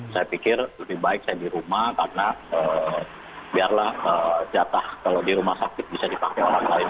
saya pikir lebih baik saya di rumah karena biarlah jatah kalau di rumah sakit bisa dipakai orang lain